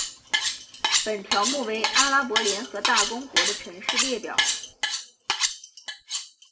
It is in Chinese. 本条目为阿拉伯联合大公国的城市列表。